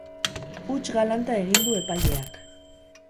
Huts galanta egin du epaileak.